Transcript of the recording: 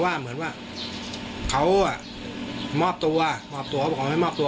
เขามอบตัวเขาบอกว่าไม่มอบตัว